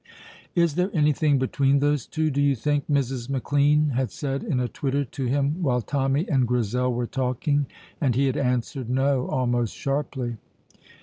"Is there anything between those two, do you think?" Mrs. McLean had said in a twitter to him while Tommy and Grizel were talking, and he had answered No almost sharply.